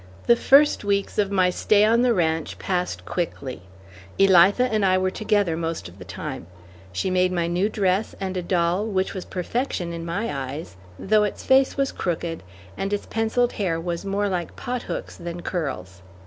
The first weeks of my stay on the ranch passed quickly. Elitha and I were together most of the time. She made my new dress and a doll which, was perfection in my eyes, though its face was crooked, and its pencilled hair was more like pothooks than curls.